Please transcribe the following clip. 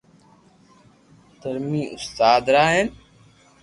درھمي استاد را ھين